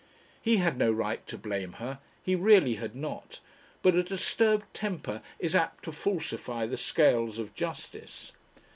He had no right to blame her, he really had not; but a disturbed temper is apt to falsify the scales of justice.